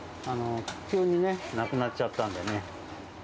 急にね、亡くなっちゃったんでね。